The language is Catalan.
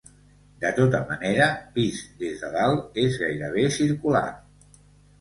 De tota manera, vist des de dalt és gairebé circular.